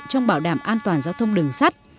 trong bảo đảm an toàn giao thông đường sắt